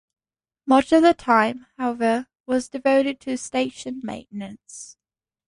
Much of their time, however, was devoted to station maintenance.